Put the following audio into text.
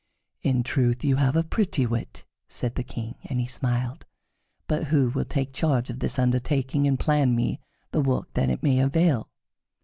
"In truth you have a pretty wit," said the King, and he smiled. "But who will take charge of this undertaking and plan me the work that it may avail?"